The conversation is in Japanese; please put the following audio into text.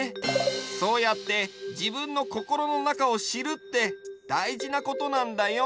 そうやってじぶんのこころのなかをしるってだいじなことなんだよ。